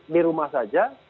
di rumah saja